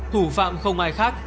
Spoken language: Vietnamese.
thủ phạm không ai khác